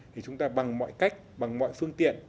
thì chúng ta bằng mọi cách bằng mọi phương tiện